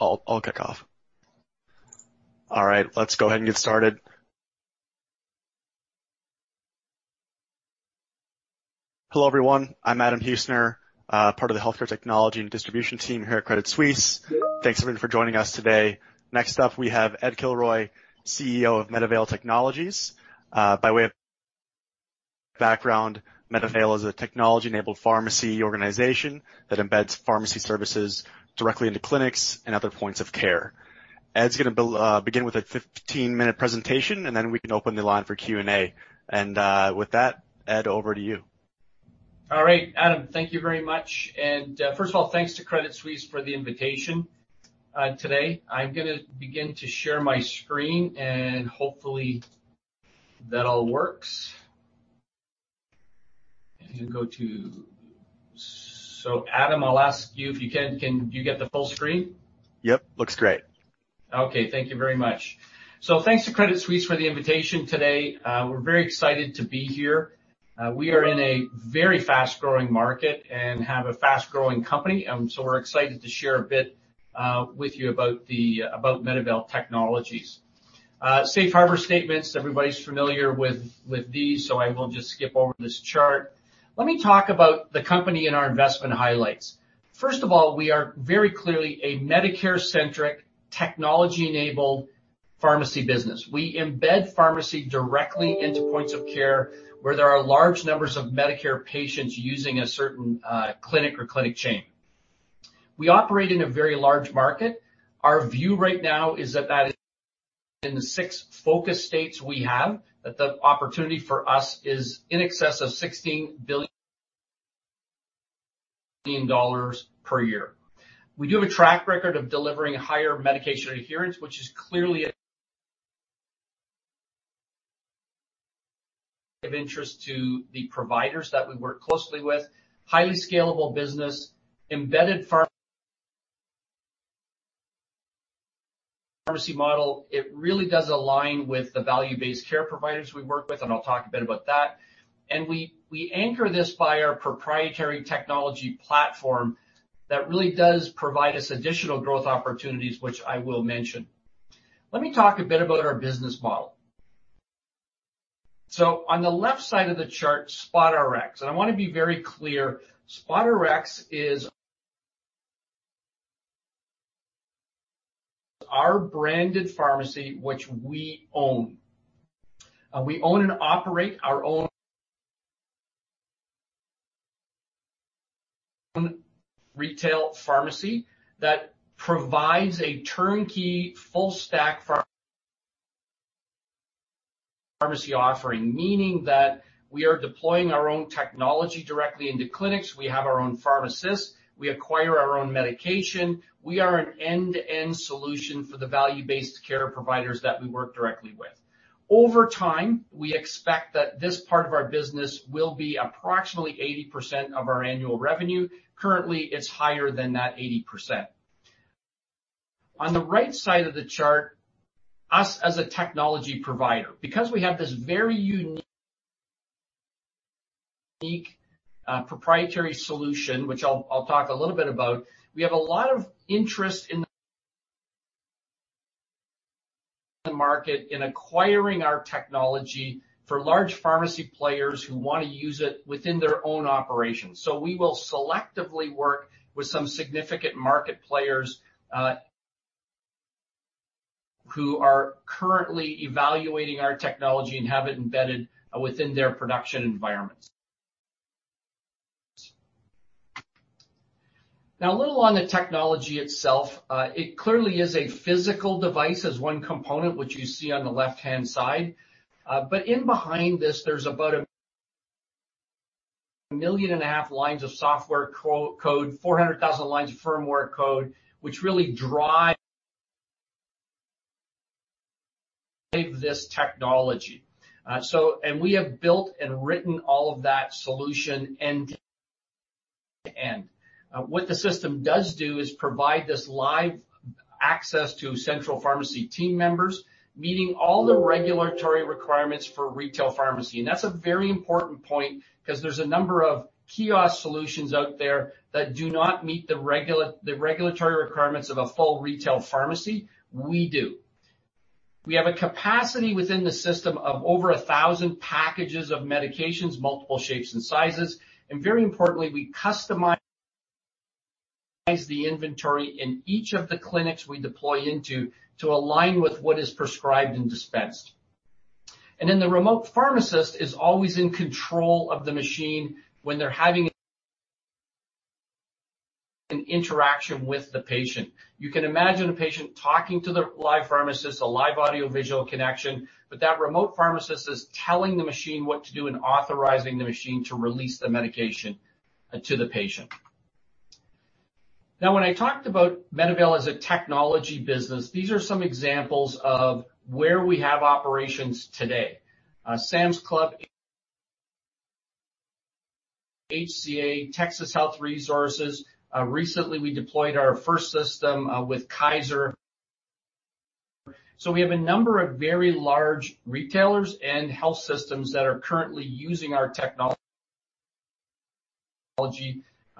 I'll kick off. All right, let's go ahead and get started. Hello, everyone. I'm Adam Heussner, part of the Healthcare Technology and Distribution team here at Credit Suisse. Thanks, everyone, for joining us today. Next up, we have Ed Kilroy, CEO of MedAvail Technologies. By way of background, MedAvail is a technology-enabled pharmacy organization that embeds pharmacy services directly into clinics and other points of care. Ed's gonna begin with a 15-minute presentation, and then we can open the line for Q&A. With that, Ed, over to you. All right, Adam, thank you very much. First of all, thanks to Credit Suisse for the invitation today. I'm gonna begin to share my screen, and hopefully that all works. Adam, I'll ask you, if you can get the full screen? Yep. Looks great. Okay, thank you very much. Thanks to Credit Suisse for the invitation today. We're very excited to be here. We are in a very fast-growing market and have a fast-growing company, so we're excited to share a bit with you about MedAvail Technologies. Safe harbor statements, everybody's familiar with these, so I will just skip over this chart. Let me talk about the company and our investment highlights. First of all, we are very clearly a Medicare-centric, technology-enabled pharmacy business. We embed pharmacy directly into points of care where there are large numbers of Medicare patients using a certain clinic or clinic chain. We operate in a very large market. Our view right now is that in the six focus states we have, the opportunity for us is in excess of $16 billion per year. We do have a track record of delivering higher medication adherence, which is clearly of interest to the providers that we work closely with. Highly scalable business, embedded pharmacy model. It really does align with the value-based care providers we work with, and I'll talk a bit about that. We anchor this by our proprietary technology platform that really does provide us additional growth opportunities, which I will mention. Let me talk a bit about our business model. On the left side of the chart, SpotRx. I wanna be very clear, SpotRx is our branded pharmacy, which we own. We own and operate our own retail pharmacy that provides a turnkey, full-stack pharmacy offering, meaning that we are deploying our own technology directly into clinics. We have our own pharmacists. We acquire our own medication. We are an end-to-end solution for the value-based care providers that we work directly with. Over time, we expect that this part of our business will be approximately 80% of our annual revenue. Currently, it's higher than that 80%. On the right side of the chart, us as a technology provider. Because we have this very unique proprietary solution, which I'll talk a little bit about, we have a lot of interest in the market in acquiring our technology for large pharmacy players who wanna use it within their own operations. We will selectively work with some significant market players, who are currently evaluating our technology and have it embedded within their production environments. Now, a little on the technology itself. It clearly is a physical device as one component, which you see on the left-hand side. in behind this, there's about 1.5 million lines of software code, 400,000 lines of firmware code, which really drive this technology. We have built and written all of that solution end to end. What the system does do is provide this live access to central pharmacy team members, meeting all the regulatory requirements for retail pharmacy. That's a very important point 'cause there's a number of kiosk solutions out there that do not meet the regulatory requirements of a full retail pharmacy. We do. We have a capacity within the system of over 1,000 packages of medications, multiple shapes, and sizes. Very importantly, we customize the inventory in each of the clinics we deploy into to align with what is prescribed and dispensed. The remote pharmacist is always in control of the machine when they're having an interaction with the patient. You can imagine a patient talking to the live pharmacist, a live audiovisual connection, but that remote pharmacist is telling the machine what to do and authorizing the machine to release the medication to the patient. Now, when I talked about MedAvail as a technology business, these are some examples of where we have operations today. Sam's Club, HCA, Texas Health Resources. Recently, we deployed our first system with Kaiser. We have a number of very large retailers and health systems that are currently using our technology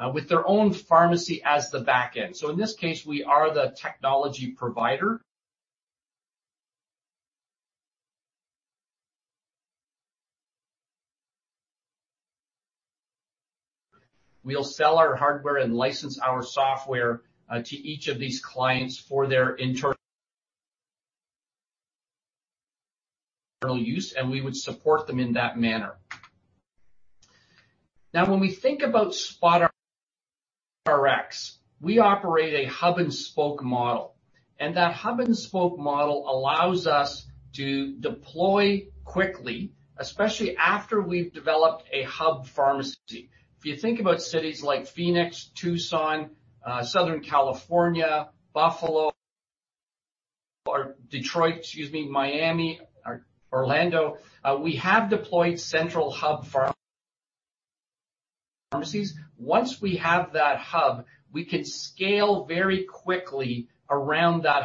with their own pharmacy as the back end. In this case, we are the technology provider. We'll sell our hardware and license our software to each of these clients for their internal use, and we would support them in that manner. Now when we think about SpotRx, we operate a hub-and-spoke model. That hub-and-spoke model allows us to deploy quickly, especially after we've developed a hub pharmacy. If you think about cities like Phoenix, Tucson, Southern California, Buffalo or Detroit, excuse me, Miami or Orlando, we have deployed central hub pharmacies. Once we have that hub, we can scale very quickly around that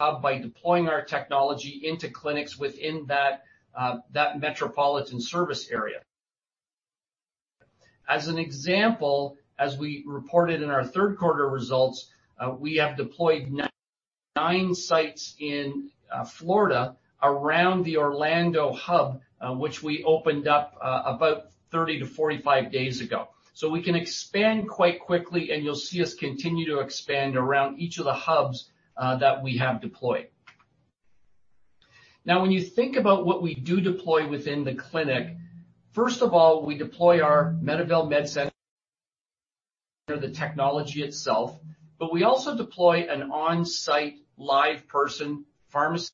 hub by deploying our technology into clinics within that metropolitan service area. As an example, as we reported in our third quarter results, we have deployed nine sites in Florida around the Orlando hub, which we opened up about 30-45 days ago. We can expand quite quickly, and you'll see us continue to expand around each of the hubs that we have deployed. Now, when you think about what we do deploy within the clinic, first of all, we deploy our MedAvail MedCenter, the technology itself, but we also deploy an on-site live person pharmacy,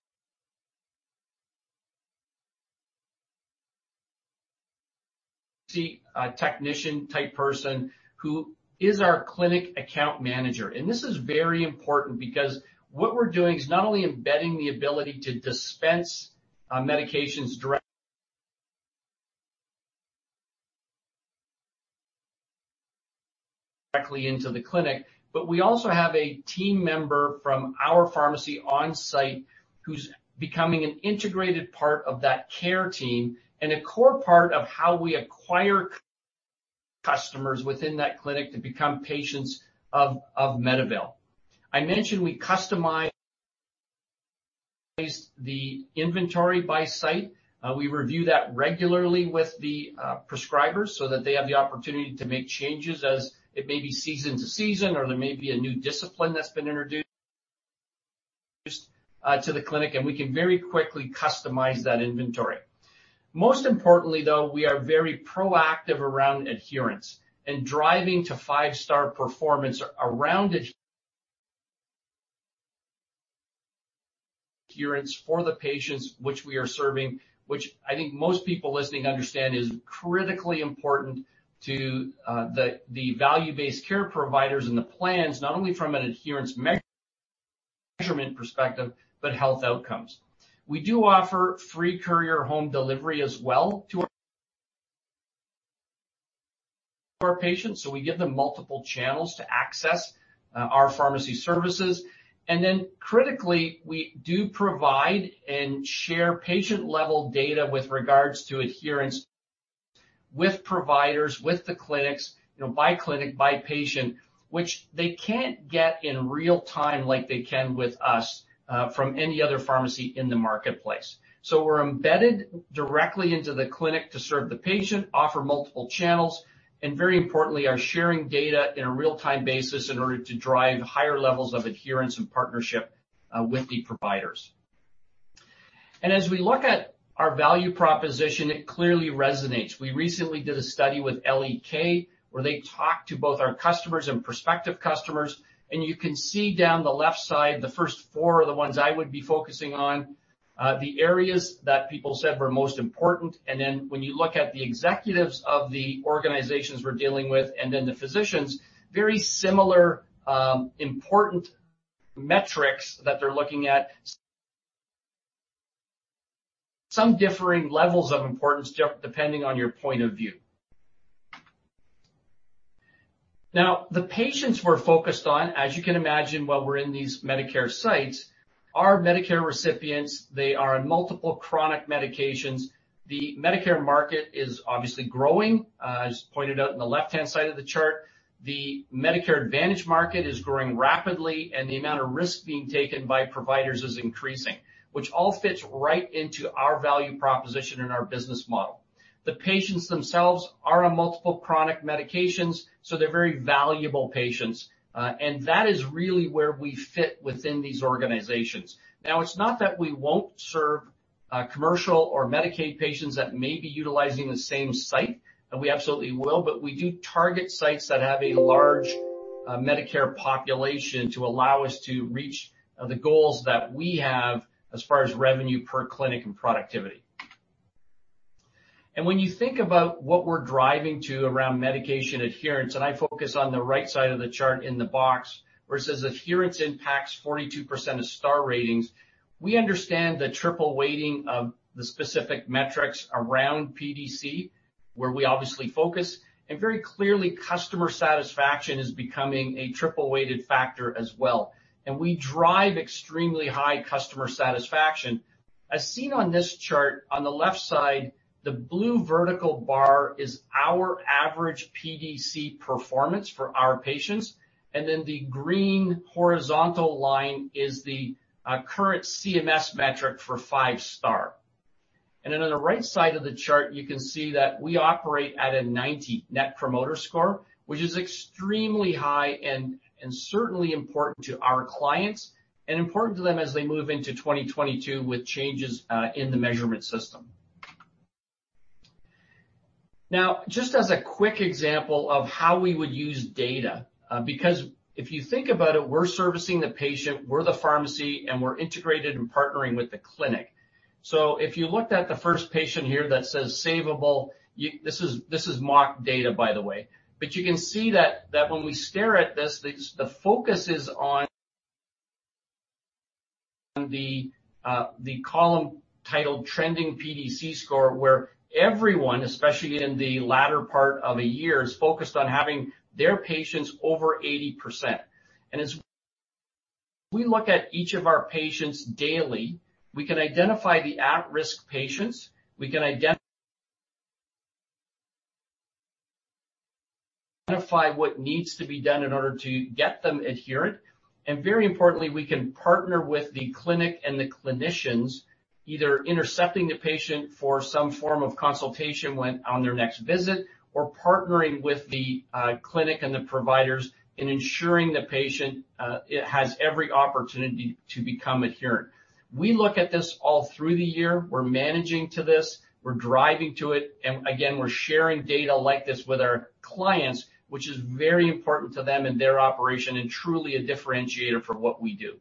a technician type person who is our clinic account manager. This is very important because what we're doing is not only embedding the ability to dispense medications directly into the clinic, but we also have a team member from our pharmacy on site who's becoming an integrated part of that care team and a core part of how we acquire customers within that clinic to become patients of MedAvail. I mentioned we customize the inventory by site. We review that regularly with the prescribers so that they have the opportunity to make changes as it may be season to season or there may be a new discipline that's been introduced to the clinic, and we can very quickly customize that inventory. Most importantly, though, we are very proactive around adherence and driving to Five-Star performance around adherence for the patients which we are serving, which I think most people listening understand is critically important to the value-based care providers and the plans, not only from an adherence measurement perspective, but health outcomes. We do offer free courier home delivery as well to our patients, so we give them multiple channels to access our pharmacy services. Critically, we do provide and share patient-level data with regards to adherence with providers, with the clinics, you know, by clinic, by patient, which they can't get in real-time like they can with us from any other pharmacy in the marketplace. We're embedded directly into the clinic to serve the patient, offer multiple channels, and very importantly, are sharing data in a real-time basis in order to drive higher levels of adherence and partnership with the providers. As we look at our value proposition, it clearly resonates. We recently did a study with L.E.K., where they talked to both our customers and prospective customers. You can see down the left side, the first four are the ones I would be focusing on, the areas that people said were most important. When you look at the executives of the organizations we're dealing with, and then the physicians, very similar, important metrics that they're looking at. Some differing levels of importance depending on your point of view. Now, the patients we're focused on, as you can imagine, while we're in these Medicare sites, are Medicare recipients. They are on multiple chronic medications. The Medicare market is obviously growing. As pointed out in the left-hand side of the chart, the Medicare Advantage market is growing rapidly, and the amount of risk being taken by providers is increasing, which all fits right into our value proposition and our business model. The patients themselves are on multiple chronic medications, so they're very valuable patients. That is really where we fit within these organizations. Now, it's not that we won't serve, commercial or Medicaid patients that may be utilizing the same site, and we absolutely will, but we do target sites that have a large, Medicare population to allow us to reach the goals that we have as far as revenue per clinic and productivity. When you think about what we're driving to around medication adherence, and I focus on the right side of the chart in the box, where it says adherence impacts 42% of Star Ratings, we understand the triple weighting of the specific metrics around PDC, where we obviously focus. Very clearly, customer satisfaction is becoming a triple-weighted factor as well. We drive extremely high customer satisfaction. As seen on this chart on the left side, the blue vertical bar is our average PDC performance for our patients, and then the green horizontal line is the current CMS metric for Five-Star. Then on the right side of the chart, you can see that we operate at a 90 Net Promoter Score, which is extremely high and certainly important to our clients and important to them as they move into 2022 with changes in the measurement system. Now, just as a quick example of how we would use data, because if you think about it, we're servicing the patient, we're the pharmacy, and we're integrated and partnering with the clinic. If you looked at the first patient here that says savable, this is mock data, by the way. You can see that when we stare at this the focus is on the column titled Trending PDC Score, where everyone, especially in the latter part of a year, is focused on having their patients over 80%. As we look at each of our patients daily, we can identify the at-risk patients. We can identify what needs to be done in order to get them adherent. Very importantly, we can partner with the clinic and the clinicians, either intercepting the patient for some form of consultation when on their next visit, or partnering with the clinic and the providers in ensuring the patient it has every opportunity to become adherent. We look at this all through the year. We're managing to this, we're driving to it, and again, we're sharing data like this with our clients, which is very important to them and their operation and truly a differentiator for what we do.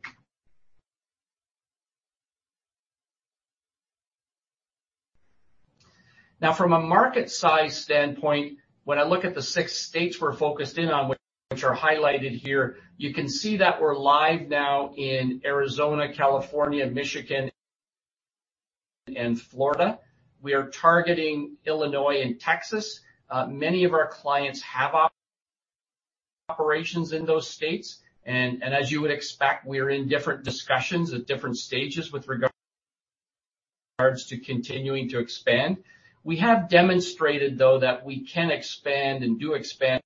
Now from a market size standpoint, when I look at the six states we're focused in on, which are highlighted here, you can see that we're live now in Arizona, California, Michigan, and Florida. We are targeting Illinois and Texas. Many of our clients have operations in those states. As you would expect, we're in different discussions at different stages with regards to continuing to expand. We have demonstrated, though, that we can expand and do expand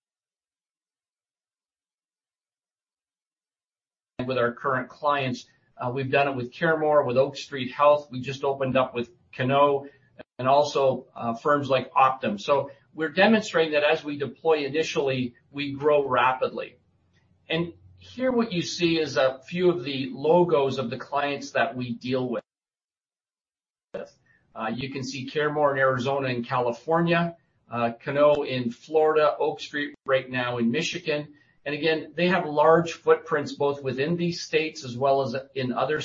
with our current clients. We've done it with CareMore, with Oak Street Health. We just opened up with Cano Health and also firms like Optum. We're demonstrating that as we deploy initially, we grow rapidly. Here what you see is a few of the logos of the clients that we deal with. You can see CareMore in Arizona and California, Cano Health in Florida, Oak Street Health right now in Michigan. Again, they have large footprints both within these states as well as in other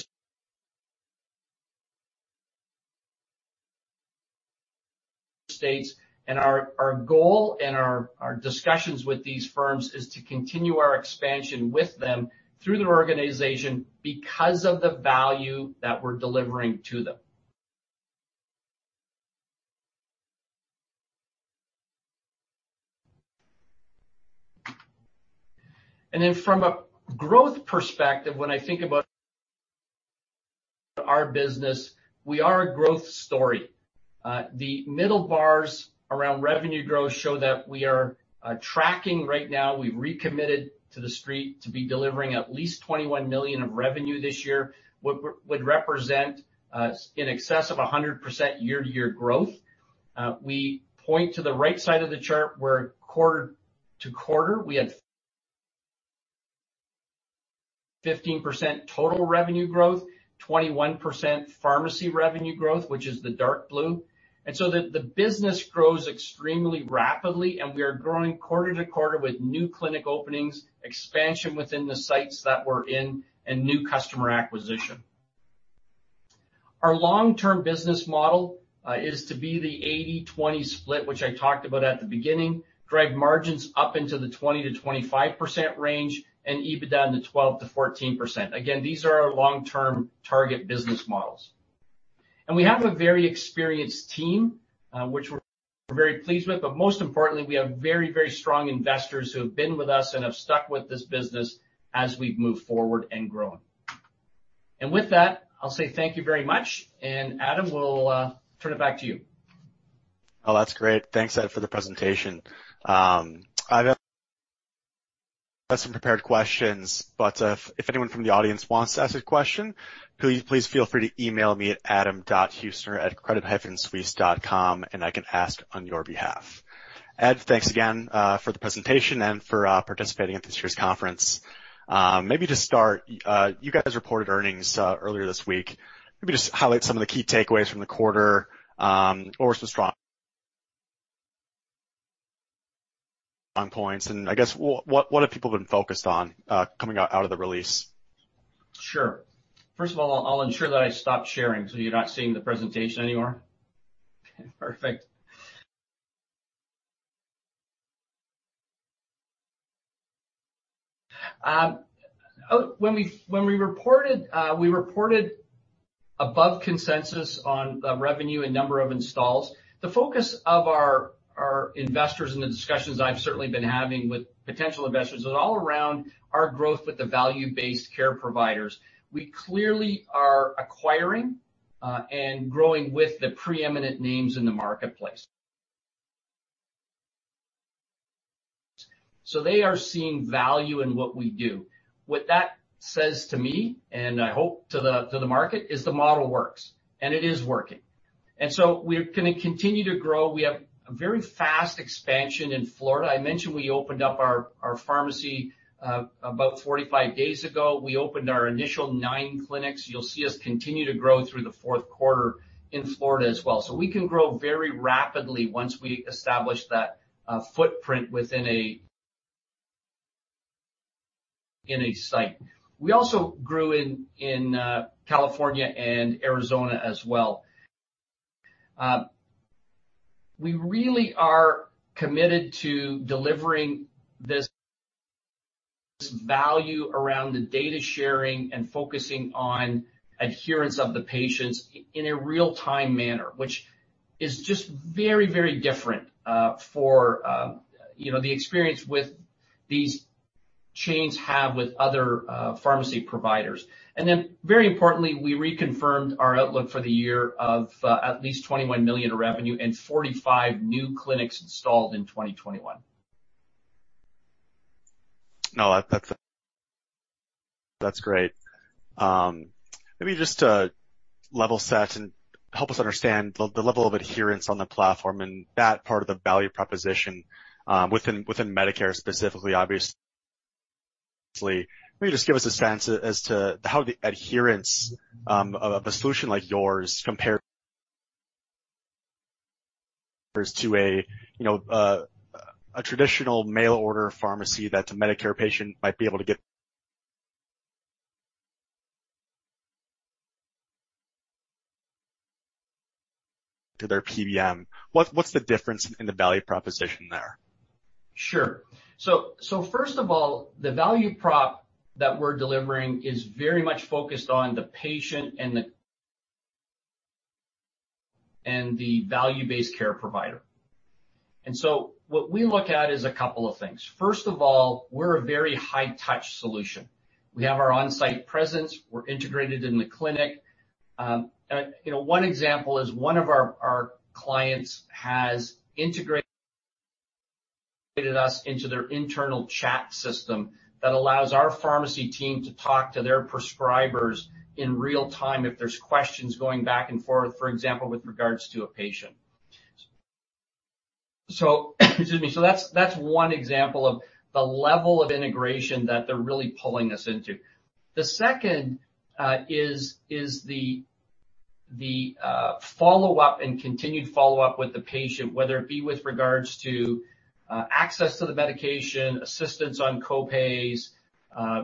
states. Our goal and our discussions with these firms is to continue our expansion with them through their organization because of the value that we're delivering to them. Then from a growth perspective, when I think about our business, we are a growth story. The middle bars around revenue growth show that we are tracking right now. We've recommitted to the street to be delivering at least $21 million of revenue this year. Would represent in excess of 100% year to year growth. We point to the right side of the chart where quarter to quarter we had 15% total revenue growth, 21% pharmacy revenue growth, which is the dark blue. The business grows extremely rapidly, and we are growing quarter to quarter with new clinic openings, expansion within the sites that we're in, and new customer acquisition. Our long-term business model is to be the 80/20 split, which I talked about at the beginning, drive margins up into the 20%-25% range and EBITDA into 12%-14%. Again, these are our long-term target business models. We have a very experienced team which we're very pleased with. Most importantly, we have very, very strong investors who have been with us and have stuck with this business as we've moved forward and grown. With that, I'll say thank you very much. Adam, we'll turn it back to you. Oh, that's great. Thanks, Ed, for the presentation. I've some prepared questions, but if anyone from the audience wants to ask a question, please feel free to email me at adam.heussner@credit-suisse.com, and I can ask on your behalf. Ed, thanks again for the presentation and for participating at this year's conference. Maybe to start, you guys reported earnings earlier this week. Maybe just highlight some of the key takeaways from the quarter or some strong points. I guess what have people been focused on coming out of the release? Sure. First of all, I'll ensure that I stop sharing so you're not seeing the presentation anymore. Perfect. When we reported, we reported above consensus on revenue and number of installs. The focus of our investors and the discussions I've certainly been having with potential investors is all around our growth with the value-based care providers. We clearly are acquiring and growing with the preeminent names in the marketplace. So they are seeing value in what we do. What that says to me, and I hope to the market, is the model works, and it is working. We're gonna continue to grow. We have a very fast expansion in Florida. I mentioned we opened up our pharmacy about 45 days ago. We opened our initial nine clinics. You'll see us continue to grow through the fourth quarter in Florida as well. We can grow very rapidly once we establish that footprint within a site. We also grew in California and Arizona as well. We really are committed to delivering this value around the data sharing and focusing on adherence of the patients in a real-time manner, which is just very different for you know, the experience with these chains have with other pharmacy providers. Very importantly, we reconfirmed our outlook for the year of at least $21 million of revenue and 45 new clinics installed in 2021. No, that's great. Maybe just to level set and help us understand the level of adherence on the platform and that part of the value proposition, within Medicare specifically, obviously. Can you just give us a sense as to how the adherence of a solution like yours compares to a traditional mail order pharmacy that the Medicare patient might be able to get through their PBM? What's the difference in the value proposition there? Sure. First of all, the value prop that we're delivering is very much focused on the patient and the value-based care provider. What we look at is a couple of things. First of all, we're a very high touch solution. We have our on-site presence. We're integrated in the clinic. You know, one example is one of our clients has integrated us into their internal chat system that allows our pharmacy team to talk to their prescribers in real time if there's questions going back and forth, for example, with regards to a patient. Excuse me. That's one example of the level of integration that they're really pulling us into. The second is the follow-up and continued follow-up with the patient, whether it be with regards to access to the medication, assistance on co-pays,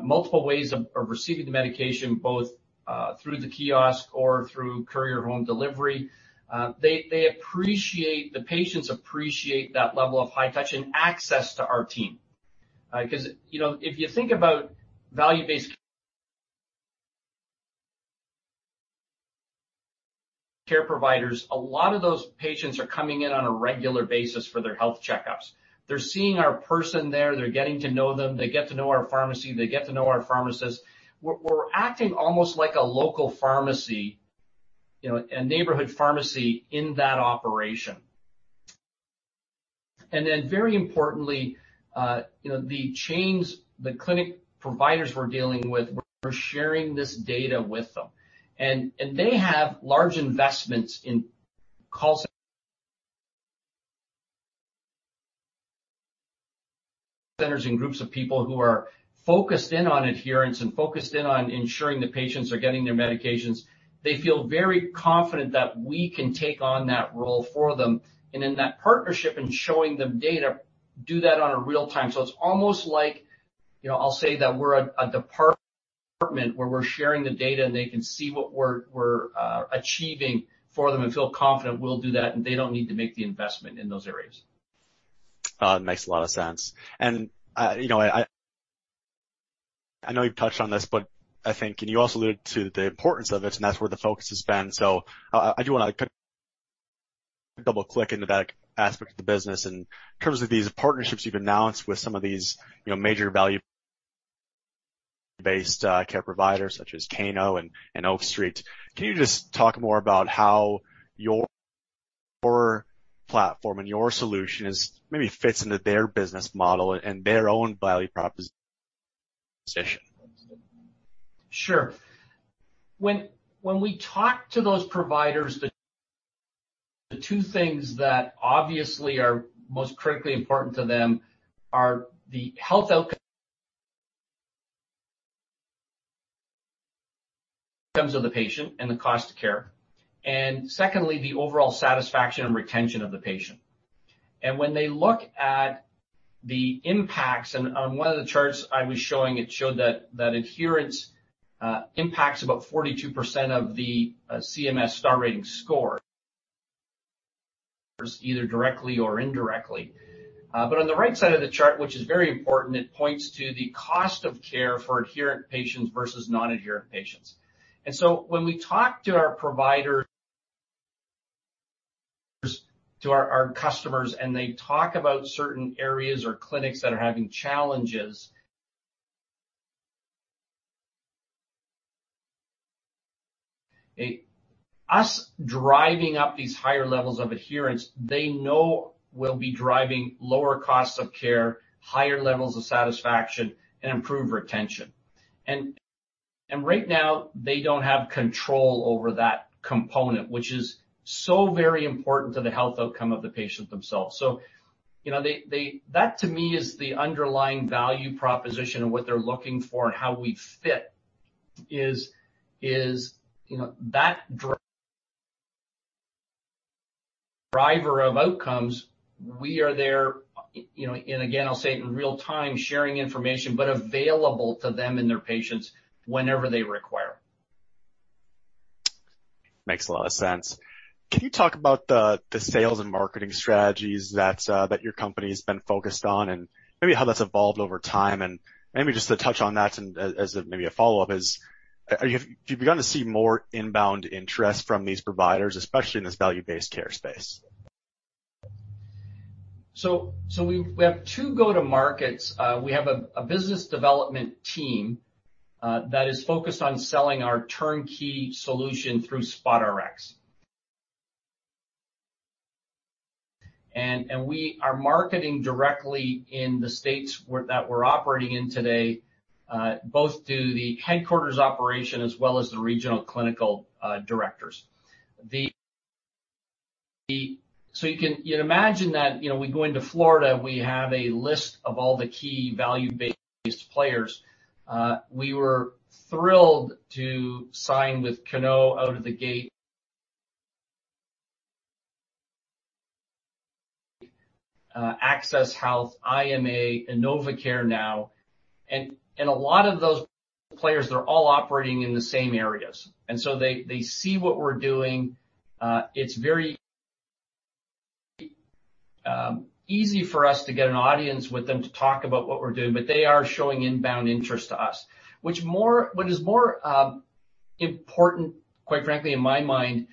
multiple ways of receiving the medication, both through the kiosk or through courier home delivery. The patients appreciate that level of high touch and access to our team. 'Cause, you know, if you think about value-based care providers, a lot of those patients are coming in on a regular basis for their health checkups. They're seeing our person there. They're getting to know them. They get to know our pharmacy. They get to know our pharmacist. We're acting almost like a local pharmacy, you know, a neighborhood pharmacy in that operation. Then very importantly, you know, the chains, the clinic providers we're dealing with, we're sharing this data with them. They have large investments in call centers and groups of people who are focused in on adherence and focused in on ensuring the patients are getting their medications. They feel very confident that we can take on that role for them. In that partnership, in showing them data, do that in real time. It's almost like, you know, I'll say that we're a department where we're sharing the data and they can see what we're achieving for them and feel confident we'll do that, and they don't need to make the investment in those areas. It makes a lot of sense. You know, I know you've touched on this, but I think, and you also alluded to the importance of it, and that's where the focus has been. I do wanna kind of double-click into that aspect of the business. In terms of these partnerships you've announced with some of these, you know, major value-based care providers such as Cano and Oak Street. Can you just talk more about how your platform and your solution is maybe fits into their business model and their own value proposition? Sure. When we talk to those providers, the two things that obviously are most critically important to them are the health outcomes of the patient and the cost of care, and secondly, the overall satisfaction and retention of the patient. When they look at the impacts, and on one of the charts I was showing, it showed that adherence impacts about 42% of the CMS Star Rating score, either directly or indirectly. But on the right side of the chart, which is very important, it points to the cost of care for adherent patients versus non-adherent patients. When we talk to our providers, to our customers, and they talk about certain areas or clinics that are having challenges, us driving up these higher levels of adherence, they know will be driving lower costs of care, higher levels of satisfaction, and improved retention. Right now, they don't have control over that component, which is so very important to the health outcome of the patient themselves. You know, that to me is the underlying value proposition and what they're looking for and how we fit is, you know, that driver of outcomes. We are there, you know, and again, I'll say it in real time, sharing information, but available to them and their patients whenever they require. Makes a lot of sense. Can you talk about the sales and marketing strategies that your company's been focused on and maybe how that's evolved over time? Maybe just to touch on that and as maybe a follow-up is, do you begin to see more inbound interest from these providers, especially in this value-based care space? We have two go-to-markets. We have a business development team that is focused on selling our turnkey solution through SpotRx. We are marketing directly in the states that we're operating in today, both through the headquarters operation as well as the regional clinical directors. You'd imagine that, you know, we go into Florida, we have a list of all the key value-based players. We were thrilled to sign with Cano Health out of the gate, Access Health, IMA, InnovaCare Health now. A lot of those players, they're all operating in the same areas. They see what we're doing. It's very easy for us to get an audience with them to talk about what we're doing, but they are showing inbound interest to us. What is more, important, quite frankly, in my mind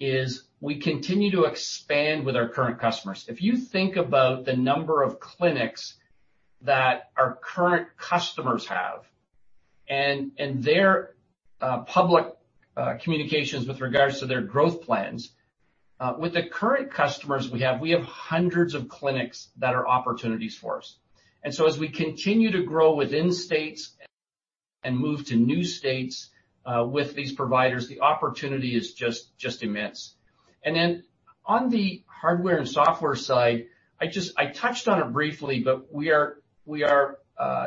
is we continue to expand with our current customers. If you think about the number of clinics that our current customers have and their public communications with regards to their growth plans, with the current customers we have, we have hundreds of clinics that are opportunities for us. As we continue to grow within states and move to new states with these providers, the opportunity is just immense. On the hardware and software side, I touched on it briefly, but we are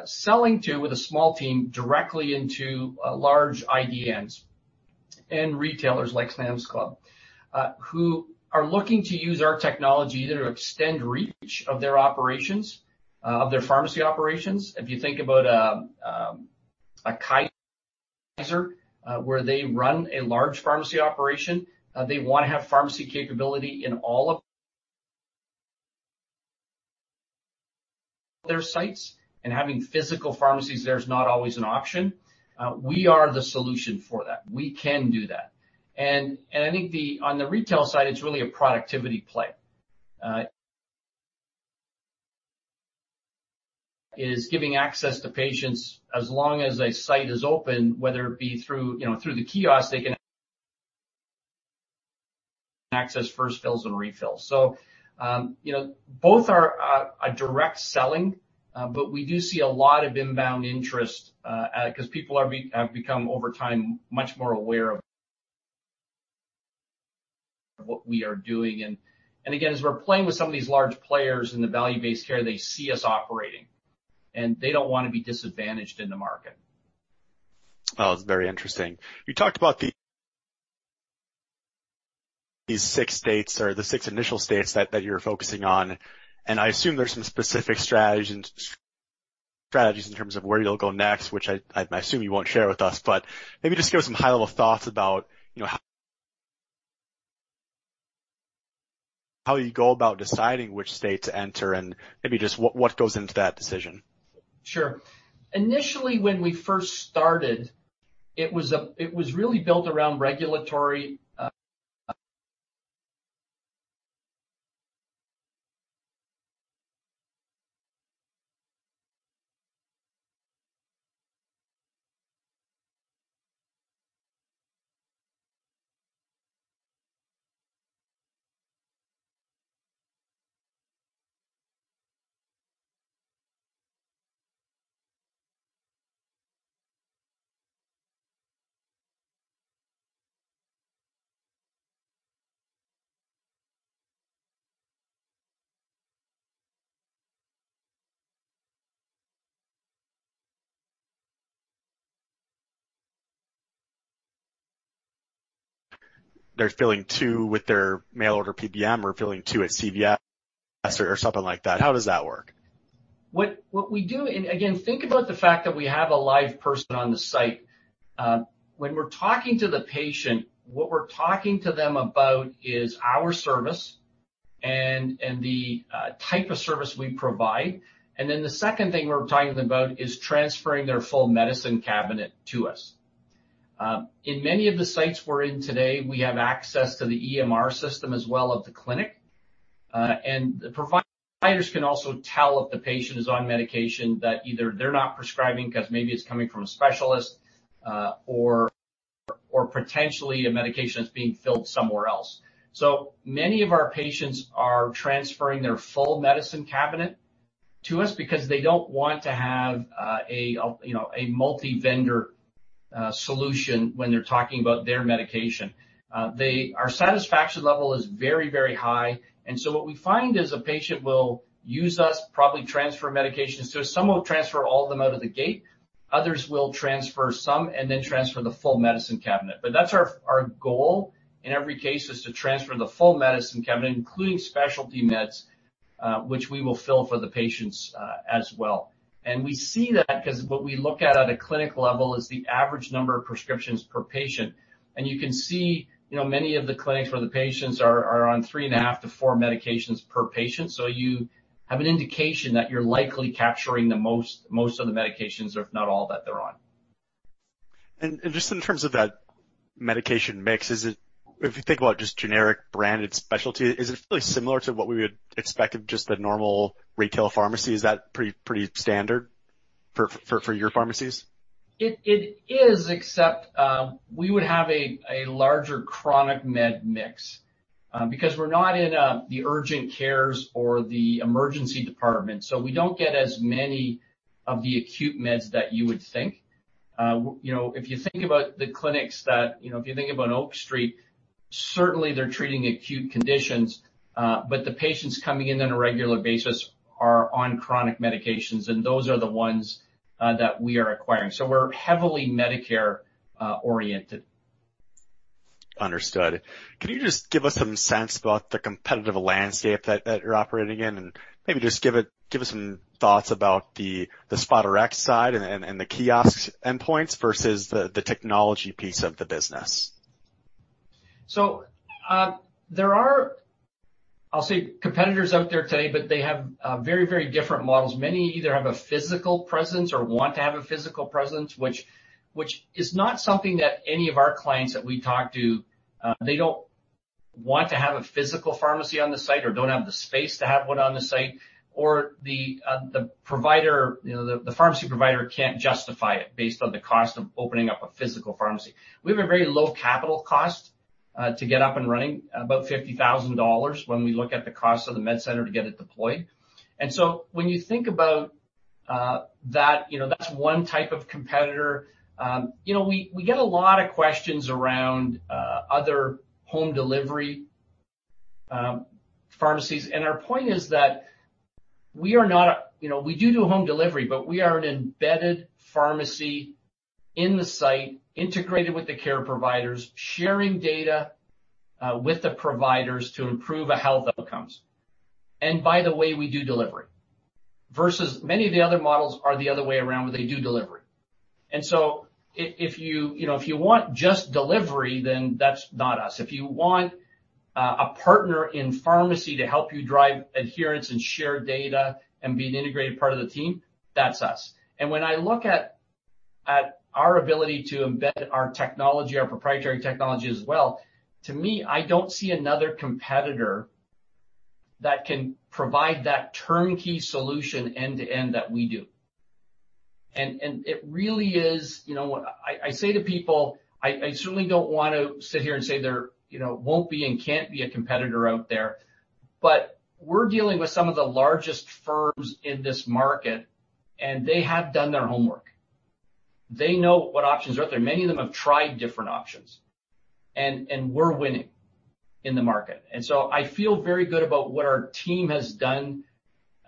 selling to, with a small team, directly into large IDNs and retailers like Sam's Club, who are looking to use our technology either to extend reach of their operations of their pharmacy operations. If you think about a Kaiser, where they run a large pharmacy operation, they wanna have pharmacy capability in all of their sites, and having physical pharmacies there is not always an option. We are the solution for that. We can do that. I think on the retail side, it's really a productivity play. It is giving access to patients as long as a site is open, whether it be through, you know, through the kiosk, they can access first fills and refills. You know, both are direct selling, but we do see a lot of inbound interest, 'cause people have become over time, much more aware of what we are doing. Again, as we're playing with some of these large players in the value-based care, they see us operating, and they don't wanna be disadvantaged in the market. Oh, it's very interesting. You talked about these six states or the six initial states that you're focusing on, and I assume there's some specific strategies in terms of where you'll go next, which I assume you won't share with us, but maybe just give us some high-level thoughts about, you know, how you go about deciding which state to enter and maybe just what goes into that decision. Sure. Initially, when we first started, it was really built around regulatory. They're filling two with their mail order PBM or filling two at CVS or something like that. How does that work? What we do, and again, think about the fact that we have a live person on the site. When we're talking to the patient, what we're talking to them about is our service and the type of service we provide. The second thing we're talking to them about is transferring their full medicine cabinet to us. In many of the sites we're in today, we have access to the EMR system as well of the clinic. The providers can also tell if the patient is on medication that either they're not prescribing because maybe it's coming from a specialist, or potentially a medication that's being filled somewhere else. Many of our patients are transferring their full medicine cabinet to us because they don't want to have, you know, a multi-vendor solution when they're talking about their medication. Our satisfaction level is very, very high. What we find is a patient will use us, probably transfer medications. Some of them transfer all of them out of the gate, others will transfer some and then transfer the full medicine cabinet. That's our goal in every case, is to transfer the full medicine cabinet, including specialty meds, which we will fill for the patients, as well. We see that 'cause what we look at on a clinic level is the average number of prescriptions per patient. You can see, you know, many of the clinics where the patients are on 3.5-4 medications per patient. You have an indication that you're likely capturing the most of the medications, if not all, that they're on. Just in terms of that medication mix, is it? If you think about just generic branded specialty, is it fairly similar to what we would expect of just the normal retail pharmacy? Is that pretty standard for your pharmacies? It is, except we would have a larger chronic med mix, because we're not in the urgent cares or the emergency department, so we don't get as many of the acute meds that you would think. You know, if you think about Oak Street, certainly they're treating acute conditions, but the patients coming in on a regular basis are on chronic medications, and those are the ones that we are acquiring. We're heavily Medicare-oriented. Understood. Can you just give us some sense about the competitive landscape that you're operating in? Maybe just give us some thoughts about the SpotRx side and the kiosk endpoints versus the technology piece of the business. There are, I'll say, competitors out there today, but they have very, very different models. Many either have a physical presence or want to have a physical presence, which is not something that any of our clients that we talk to, they don't want to have a physical pharmacy on the site or don't have the space to have one on the site, or the provider, you know, the pharmacy provider can't justify it based on the cost of opening up a physical pharmacy. We have a very low capital cost to get up and running, about $50,000 when we look at the cost of the MedCenter to get it deployed. When you think about that, you know, that's one type of competitor. You know, we get a lot of questions around other home delivery pharmacies. Our point is that we are not, you know, we do home delivery, but we are an embedded pharmacy in the site, integrated with the care providers, sharing data with the providers to improve health outcomes. By the way, we do delivery. Versus many of the other models are the other way around where they do delivery. If you know, if you want just delivery, then that's not us. If you want a partner in pharmacy to help you drive adherence and share data and be an integrated part of the team, that's us. When I look at our ability to embed our technology, our proprietary technology as well, to me, I don't see another competitor that can provide that turnkey solution end to end that we do. It really is, you know, I say to people, I certainly don't want to sit here and say there, you know, won't be and can't be a competitor out there, but we're dealing with some of the largest firms in this market, and they have done their homework. They know what options are out there. Many of them have tried different options. We're winning in the market. I feel very good about what our team has done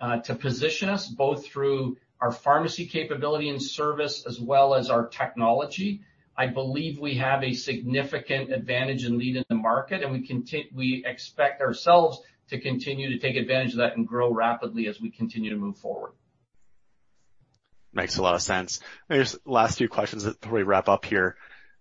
to position us both through our pharmacy capability and service as well as our technology. I believe we have a significant advantage and lead in the market, and we expect ourselves to continue to take advantage of that and grow rapidly as we continue to move forward. Makes a lot of sense. Maybe just last few questions before we wrap up here.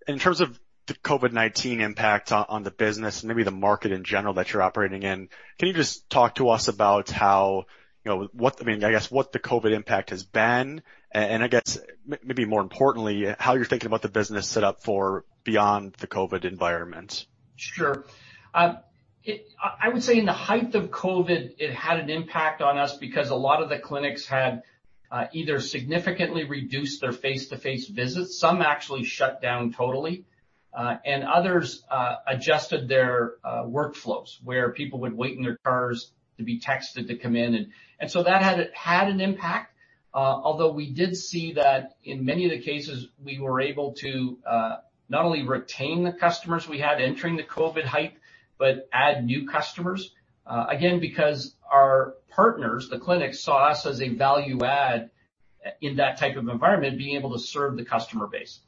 In terms of the COVID-19 impact on the business and maybe the market in general that you're operating in, can you just talk to us about how, you know, what I mean, I guess, what the COVID impact has been, and I guess maybe more importantly, how you're thinking about the business set up for beyond the COVID environment? Sure. I would say in the height of COVID, it had an impact on us because a lot of the clinics had either significantly reduced their face-to-face visits, some actually shut down totally, and others adjusted their workflows, where people would wait in their cars to be texted to come in. That had an impact, although we did see that in many of the cases, we were able to not only retain the customers we had entering the COVID height but add new customers, again, because our partners, the clinics, saw us as a value add in that type of environment, being able to serve the customer base.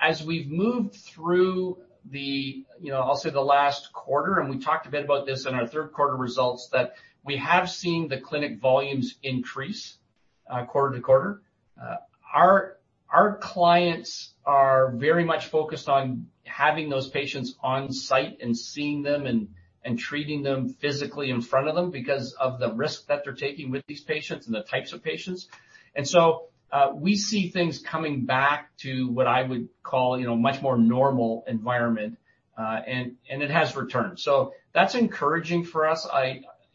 As we've moved through the, you know, I'll say the last quarter, and we talked a bit about this in our third quarter results, that we have seen the clinic volumes increase quarter to quarter. Our clients are very much focused on having those patients on site and seeing them and treating them physically in front of them because of the risk that they're taking with these patients and the types of patients. We see things coming back to what I would call, you know, much more normal environment, and it has returned. So that's encouraging for us.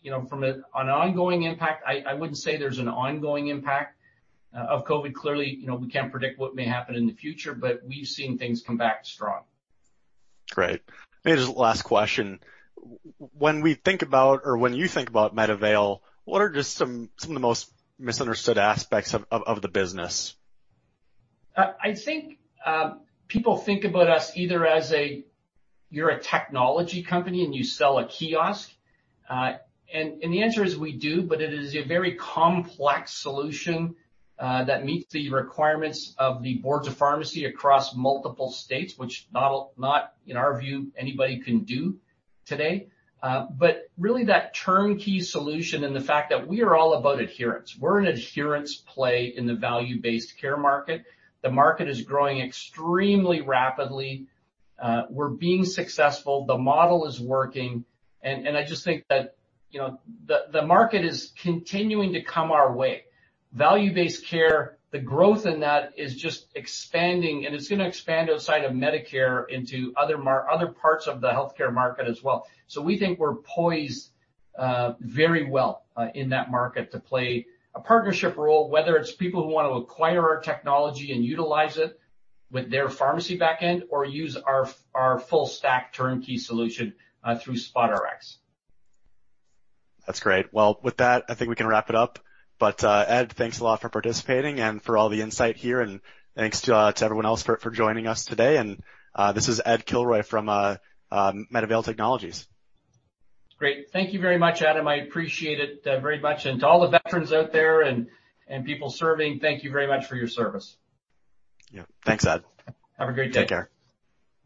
You know, from an ongoing impact, I wouldn't say there's an ongoing impact of COVID. Clearly, you know, we can't predict what may happen in the future, but we've seen things come back strong. Great. Maybe just last question. When we think about or when you think about MedAvail, what are just some of the most misunderstood aspects of the business? I think people think about us either as a technology company and you sell a kiosk. The answer is we do, but it is a very complex solution that meets the requirements of the boards of pharmacy across multiple states, which, in our view, not anybody can do today. But really that turnkey solution and the fact that we are all about adherence. We're an adherence play in the value-based care market. The market is growing extremely rapidly. We're being successful. The model is working. I just think that, you know, the market is continuing to come our way. Value-based care, the growth in that is just expanding, and it's gonna expand outside of Medicare into other parts of the healthcare market as well. We think we're poised very well in that market to play a partnership role, whether it's people who wanna acquire our technology and utilize it with their pharmacy back end or use our full stack turnkey solution through SpotRx. That's great. Well, with that, I think we can wrap it up. Ed, thanks a lot for participating and for all the insight here. Thanks to everyone else for joining us today. This is Ed Kilroy from MedAvail Technologies. Great. Thank you very much, Adam. I appreciate it, very much. To all the veterans out there and people serving, thank you very much for your service. Yeah. Thanks, Ed. Have a great day. Take care.